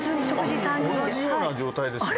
同じような状態ですね。